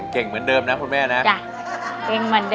เก่งเหมือนเดิมนะคุณแม่นะ